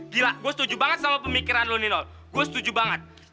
gila gue setuju banget sama pemikiran lo nino gue setuju banget